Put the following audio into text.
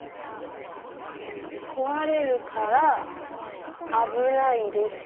壊れるから危ないです。